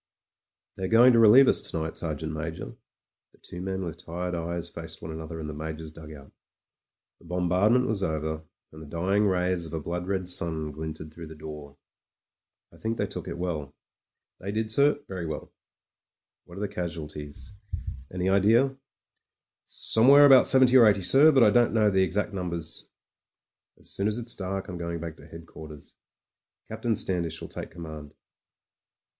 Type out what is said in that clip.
"They are going to relieve us to night, Sergeant Major.*' The two men with tired eyes faced one another in the Major's dugout The bombardment was over, and the dying rays of a blood red sun glinted through the door. "I think they took it well." They did, sir — very well." •'What are the casualties? Any idea?" PRIVATE MEYRICK— COMPANY IDIOT 73 "Somewhere about seventy or eighty, sir — ^but I don't know the exact numbers/' ''As soon as it's dark I'm going back to headquarters. Captain Standish will take command."